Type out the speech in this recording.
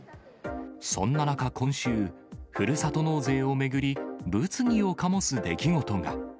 そんな中、今週、ふるさと納税を巡り、物議を醸す出来事が。